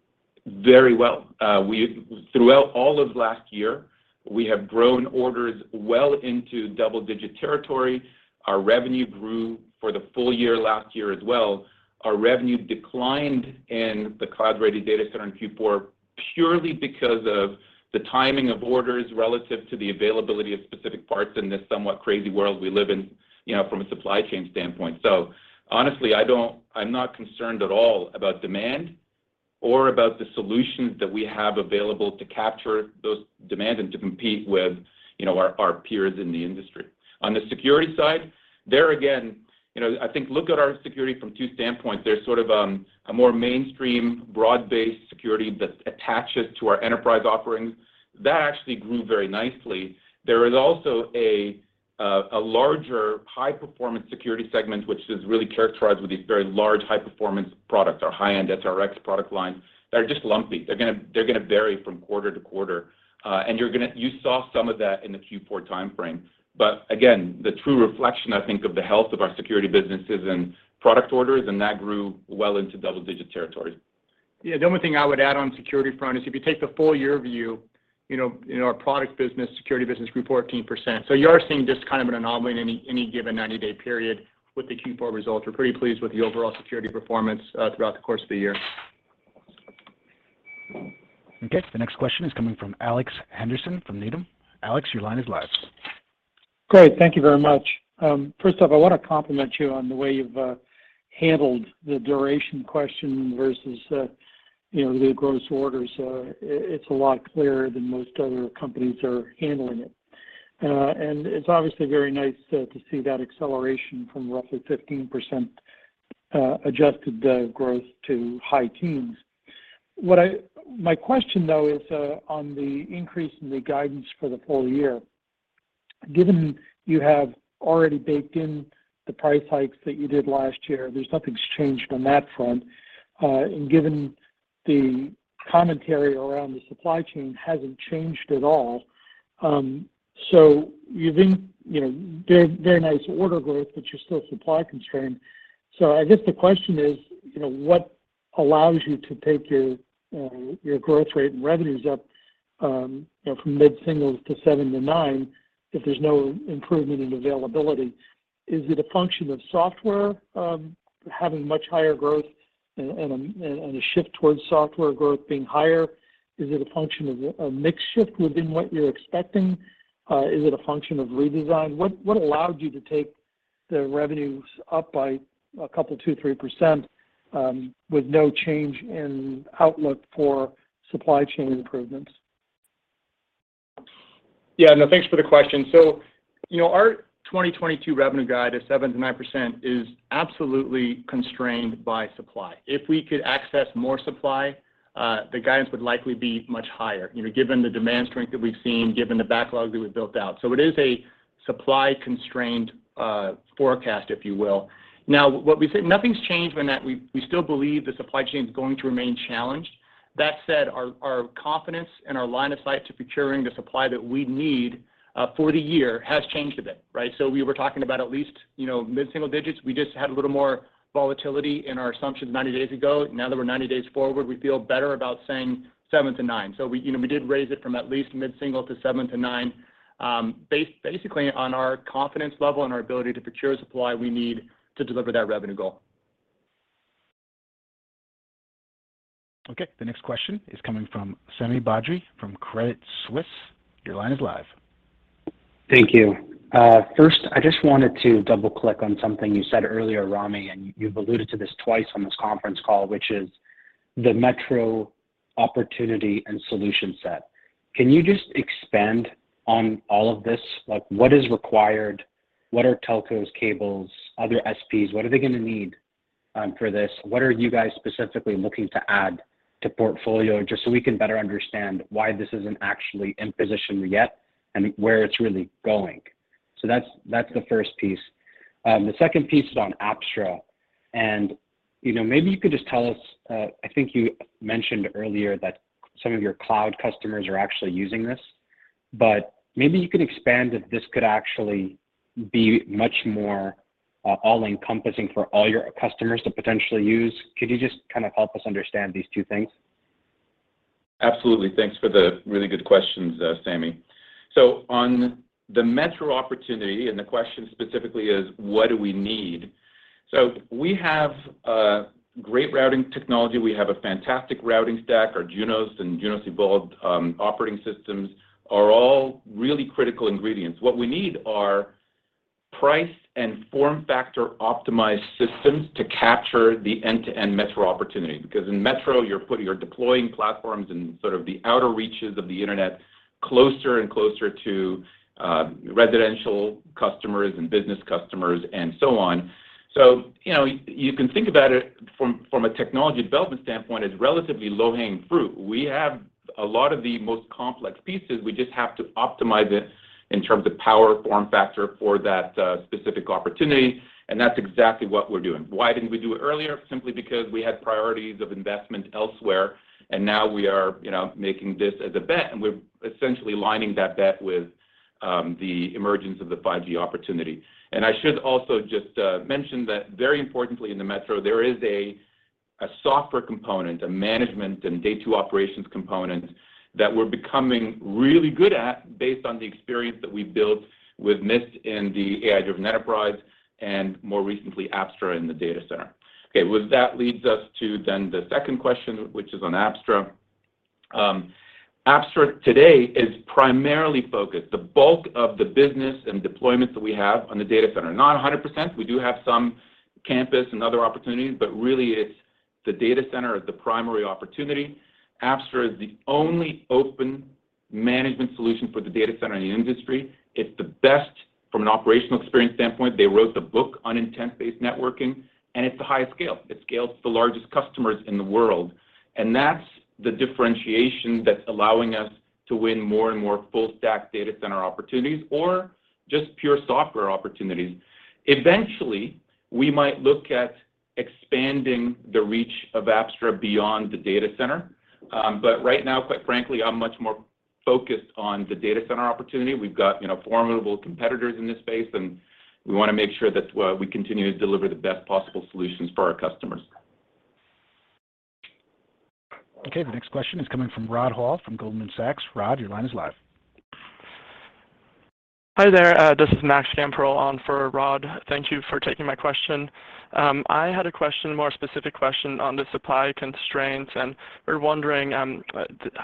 very well. Throughout all of last year, we have grown orders well into double-digit territory. Our revenue grew for the full year last year as well. Our revenue declined in the Cloud-Ready Data Center in Q4 purely because of the timing of orders relative to the availability of specific parts in this somewhat crazy world we live in, you know, from a supply chain standpoint. Honestly, I'm not concerned at all about demand or about the solutions that we have available to capture those demand and to compete with, you know, our peers in the industry. On the security side, there again, you know, I think look at our security from two standpoints. There's sort of, a more mainstream broad-based security that attaches to our enterprise offerings. That actually grew very nicely. There is also a larger high-performance security segment, which is really characterized with these very large high-performance products, our high-end SRX product lines that are just lumpy. They're gonna vary from quarter-to-quarter. You saw some of that in Q4 time frame. Again, the true reflection, I think, of the health of our security businesses and product orders, and that grew well into double-digit territory. Yeah. The only thing I would add on security front is if you take the full year view, you know, in our product business, security business grew 14%. You are seeing just kind of an anomaly in any given 90-day period with Q4 results. We're pretty pleased with the overall security performance throughout the course of the year. Okay. The next question is coming from Alex Henderson from Needham & Company. Alex, your line is live. Great. Thank you very much. First off, I want to compliment you on the way you've handled the duration question versus, you know, the gross orders. It's obviously very nice to see that acceleration from roughly 15%, adjusted growth to high-teens. My question, though, is on the increase in the guidance for the full year. Given you have already baked in the price hikes that you did last year, nothing's changed on that front. Given the commentary around the supply chain hasn't changed at all, you've been, you know, very nice order growth, but you're still supply constrained. I guess the question is, you know, what allows you to take your growth rate and revenues up, you know, from mid-singles to 7%-9% if there's no improvement in availability. Is it a function of software having much higher growth and a shift towards software growth being higher? Is it a function of a mix shift within what you're expecting? Is it a function of redesign? What allowed you to take the revenues up by a couple, 2%-3%, with no change in outlook for supply chain improvements? Yeah. No, thanks for the question. So, you know, our 2022 revenue guide of 7%-9% is absolutely constrained by supply. If we could access more supply, the guidance would likely be much higher, you know, given the demand strength that we've seen, given the backlog that we've built out. So it is a supply constrained forecast, if you will. Now, what we said. Nothing's changed in that we still believe the supply chain is going to remain challenged. That said, our confidence and our line of sight to procuring the supply that we need for the year has changed a bit, right? So we were talking about at least, you know, mid-single digits. We just had a little more volatility in our assumptions 90 days ago. Now that we're 90 days forward, we feel better about saying 7%-9%. We, you know, did raise it from at least mid-single% to 7%-9%, basically on our confidence level and our ability to procure supply we need to deliver that revenue goal. Okay. The next question is coming from Sami Badri from Credit Suisse. Your line is live. Thank you. First, I just wanted to double-click on something you said earlier, Rami, and you've alluded to this twice on this conference call, which is the metro opportunity and solution set. Can you just expand on all of this? Like, what is required? What are telcos, cables, other SPs, what are they gonna need, for this? What are you guys specifically looking to add to portfolio, just so we can better understand why this isn't actually in position yet and where it's really going. So that's the first piece. The second piece is on Apstra. You know, maybe you could just tell us, I think you mentioned earlier that some of your cloud customers are actually using this. Maybe you could expand if this could actually be much more, all-encompassing for all your customers to potentially use. Could you just kind of help us understand these two things? Absolutely. Thanks for the really good questions, Sami. On the metro opportunity, and the question specifically is what do we need? We have great routing technology. We have a fantastic routing stack. Our Junos and Junos Evolved operating systems are all really critical ingredients. What we need are price and form factor optimized systems to capture the end-to-end metro opportunity. Because in metro, you're deploying platforms in sort of the outer reaches of the internet closer and closer to residential customers and business customers and so on. You know, you can think about it from a technology development standpoint, as relatively low-hanging fruit. We have a lot of the most complex pieces. We just have to optimize it in terms of power, form factor for that specific opportunity, and that's exactly what we're doing. Why didn't we do it earlier? Simply because we had priorities of investment elsewhere, and now we are, you know, making this as a bet, and we're essentially lining that bet with the emergence of the 5G opportunity. I should also just mention that very importantly in the metro, there is a software component, a management and day two operations component that we're becoming really good at based on the experience that we built with Mist in the AI-Driven Enterprise, and more recently, Apstra in the data center. Okay. Well, that leads us to the second question, which is on Apstra. Apstra today is primarily focused. The bulk of the business and deployments that we have on the data center, not 100%. We do have some campus and other opportunities, but really it's the data center is the primary opportunity. Apstra is the only open management solution for the data center in the industry. It's the best from an operational experience standpoint. They wrote the book on intent-based networking, and it's the highest scale. It scales the largest customers in the world, and that's the differentiation that's allowing us to win more and more full stack data center opportunities or just pure software opportunities. Eventually, we might look at expanding the reach of Apstra beyond the data center. But right now, quite frankly, I'm much more focused on the data center opportunity. We've got, you know, formidable competitors in this space, and we want to make sure that we continue to deliver the best possible solutions for our customers. Okay, the next question is coming from Rod Hall from Goldman Sachs. Rod, your line is live. Hi there. This is Max Gamperl on for Rod. Thank you for taking my question. I had a question, a more specific question on the supply constraints, and we're wondering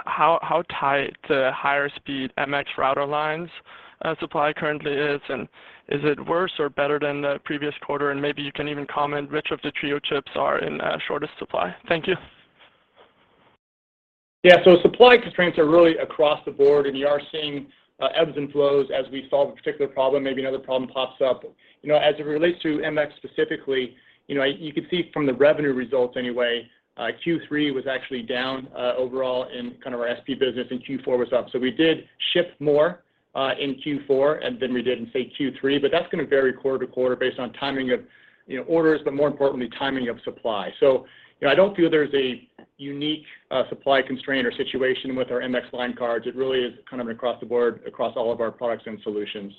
how tight the higher speed MX router lines supply currently is, and is it worse or better than the previous quarter? Maybe you can even comment which of the Trio chips are in shortest supply. Thank you. Yeah. Supply constraints are really across the board, and you are seeing ebbs and flows as we solve a particular problem, maybe another problem pops up. You know, as it relates to MX specifically, you know, you could see from the revenue results anyway, Q3 was actually down overall in kind of our SP business, and Q4 was up. We did ship more in Q4 than we did in, say, Q3. But that's going to vary quarter to quarter based on timing of, you know, orders, but more importantly timing of supply. You know, I don't feel there's a unique supply constraint or situation with our MX line cards. It really is kind of across the board, across all of our products and solutions.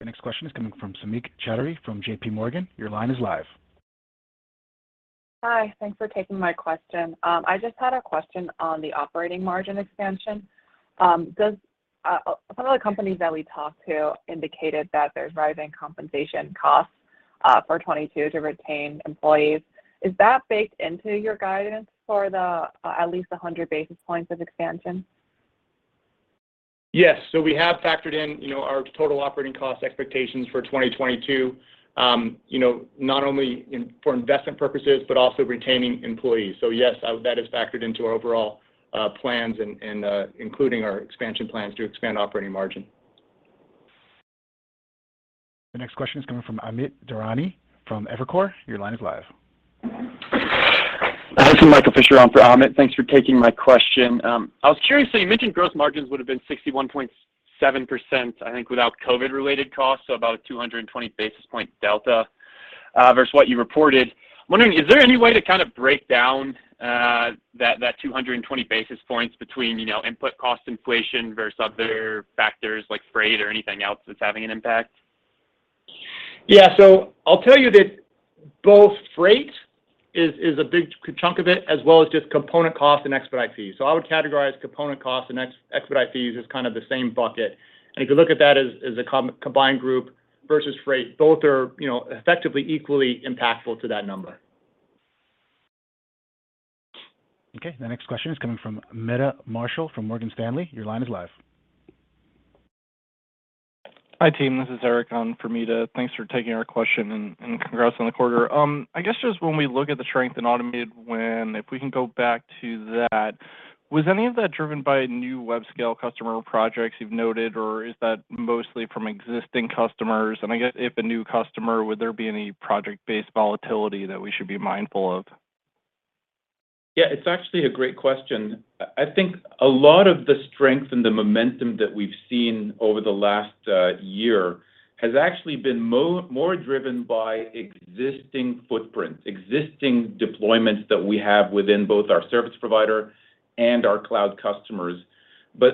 The next question is coming from Samik Chatterjee from J.P. Morgan. Your line is live. Hi. Thanks for taking my question. I just had a question on the operating margin expansion. Some of the companies that we talked to indicated that they're driving compensation costs for 2022 to retain employees. Is that baked into your guidance for the at least 100 basis points of expansion? Yes. We have factored in, you know, our total operating cost expectations for 2022, you know, not only in for investment purposes, but also retaining employees. Yes, that is factored into our overall plans and including our expansion plans to expand operating margin. The next question is coming from Amit Daryanani from Evercore ISI. Your line is live. Hi. This is Michael Fisher on for Amit. Thanks for taking my question. I was curious, so you mentioned gross margins would've been 61.7%, I think, without COVID-19-related costs, so about 220 basis point delta versus what you reported. I'm wondering, is there any way to kind of break down that 220 basis points between, you know, input cost inflation versus other factors like freight or anything else that's having an impact? Yeah. I'll tell you that both freight is a big chunk of it, as well as just component cost and expedite fees. I would categorize component costs and expedite fees as kind of the same bucket. If you look at that as a combined group versus freight, both are, you know, effectively equally impactful to that number. Okay. The next question is coming from Meta Marshall from Morgan Stanley. Your line is live. Hi, team. This is Eric on for Meta. Thanks for taking our question and congrats on the quarter. I guess just when we look at the strength in Automated WAN, if we can go back to that, was any of that driven by new web scale customer projects you've noted, or is that mostly from existing customers? I guess if a new customer, would there be any project-based volatility that we should be mindful of? Yeah, it's actually a great question. I think a lot of the strength and the momentum that we've seen over the last year has actually been more driven by existing footprints, existing deployments that we have within both our service provider and our cloud customers.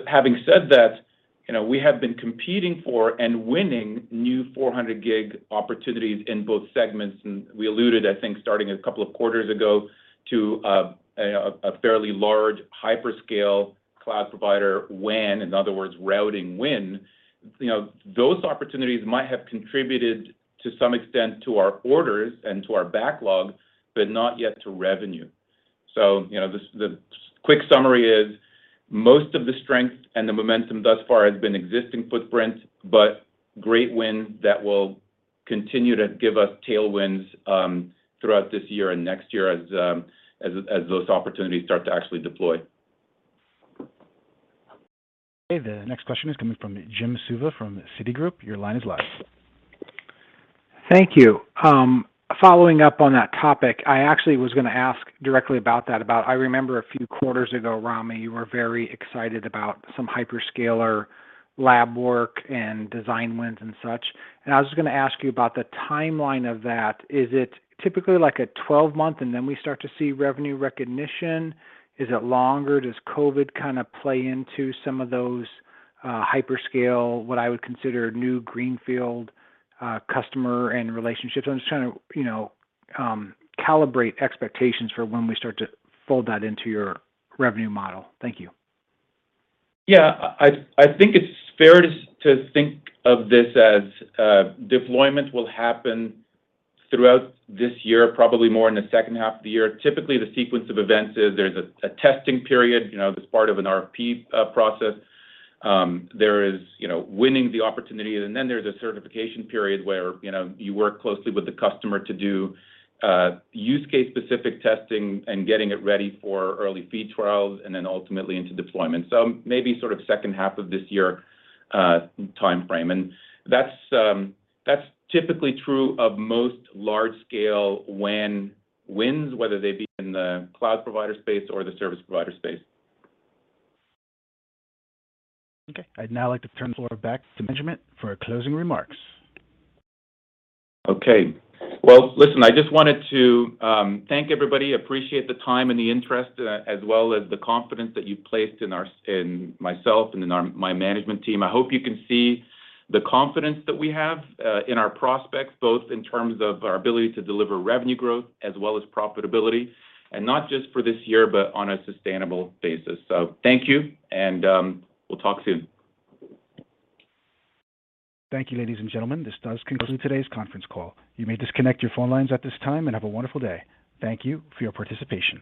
Having said that, you know, we have been competing for and winning new 400G opportunities in both segments. We alluded, I think, starting a couple of quarters ago to a fairly large hyperscale cloud provider win. In other words, routing win. You know, those opportunities might have contributed to some extent to our orders and to our backlog, but not yet to revenue. You know, the quick summary is most of the strength and the momentum thus far has been existing footprint, but great wins that will continue to give us tailwinds throughout this year and next year as those opportunities start to actually deploy. Okay. The next question is coming from Jim Suva from Citigroup. Your line is live. Thank you. Following up on that topic, I actually was gonna ask directly about that. I remember a few quarters ago, Rami, you were very excited about some hyperscaler lab work and design wins and such, and I was just gonna ask you about the timeline of that. Is it typically like a 12-month and then we start to see revenue recognition? Is it longer? Does COVID kinda play into some of those, hyperscaler, what I would consider new greenfield customer relationships? I'm just trying to, you know, calibrate expectations for when we start to fold that into your revenue model. Thank you. Yeah. I think it's fair to think of this as deployment will happen throughout this year, probably more in the second half of the year. Typically, the sequence of events is there's a testing period, you know, that's part of an RFP process. There is, you know, winning the opportunity, and then there's a certification period where, you know, you work closely with the customer to do use case specific testing and getting it ready for early field trials and then ultimately into deployment. So maybe sort of second half of this year timeframe. That's typically true of most large scale win-wins, whether they be in the cloud provider space or the service provider space. Okay. I'd now like to turn the floor back to management for closing remarks. Okay. Well, listen, I just wanted to thank everybody. Appreciate the time and the interest, as well as the confidence that you've placed in myself and in our management team. I hope you can see the confidence that we have in our prospects, both in terms of our ability to deliver revenue growth as well as profitability, and not just for this year, but on a sustainable basis. Thank you, and we'll talk soon. Thank you, ladies and gentlemen, this does conclude today's conference call. You may disconnect your phone lines at this time and have a wonderful day. Thank you for your participation.